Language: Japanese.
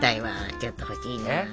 ちょっと欲しいな。